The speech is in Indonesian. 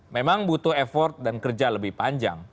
memang butuh effort dan kerja lebih panjang